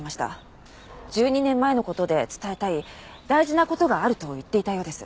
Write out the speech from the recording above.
１２年前の事で伝えたい大事な事があると言っていたようです。